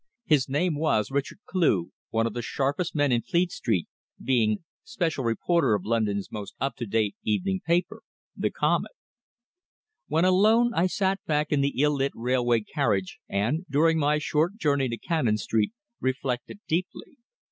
His name was Richard Cleugh, one of the sharpest men in Fleet Street, being special reporter of London's most up to date evening paper, the Comet. When alone, I sat back in the ill lit railway carriage and, during my short journey to Cannon Street, reflected deeply.